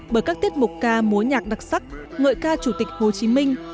bởi các tiết mục ca múa nhạc đặc sắc ngợi ca chủ tịch hồ chí minh